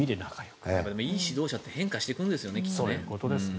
いい指導者って変化していくんですよねきっとね。